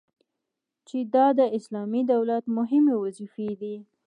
چي دا د اسلامي دولت مهمي وظيفي دي